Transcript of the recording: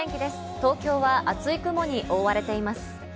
東京は厚い雲に覆われています。